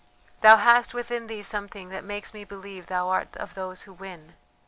Thou hast within thee something that makes me believe thou art of those who win!